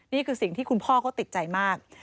นี่คือสิ่งที่คุณพ่อเขาติดใจมาก